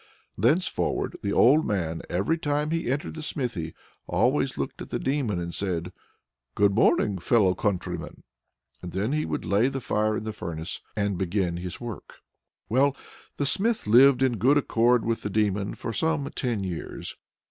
Thenceforward the old man, every time he entered the smithy, always looked at the Demon and said, "Good morning, fellow countryman!" And then he would lay the fire in the furnace and begin his work. Well, the Smith lived in good accord with the Demon for some ten years.